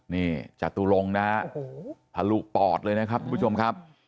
นี่จตุลงนะฮะทะลุปอดเลยนะครับทุกผู้ชมครับ